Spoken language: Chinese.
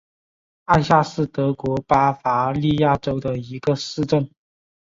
艾夏是德国巴伐利亚州的一个市镇。